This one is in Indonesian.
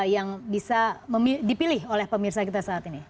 yang bisa dipilih oleh pemirsa kita saat ini